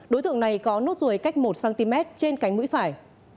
đối tượng này có nốt ruồi cách một cm trên cánh mũi phải